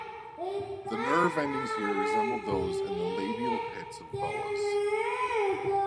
The nerve endings here resemble those in the labial pits of boas.